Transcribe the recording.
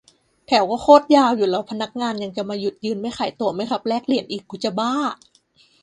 แถวก็โคตรยาวอยู่แล้ว พนักงานยังจะมาหยุดยืนไม่ขายตั๋ว-ไม่รับแลกเหรียญอีก กูจะบ้า